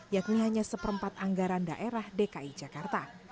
yakni hanya seperempat anggaran daerah dki jakarta